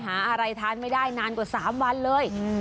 หาอะไรทานไม่ได้นานกว่า๓วันเลย